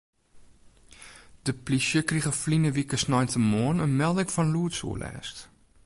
De plysje krige ferline wike sneintemoarn in melding fan lûdsoerlêst.